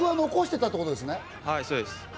そうです。